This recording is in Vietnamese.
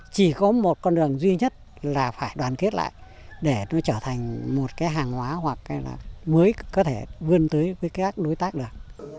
chỉ có một con đường duy nhất là phải đoàn kết lại để nó trở thành một cái hàng hóa hoặc là mới có thể vươn tới với các đối tác được